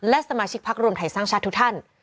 และสมาชิกพักรวมไทยสร้างชาติทุกท่าน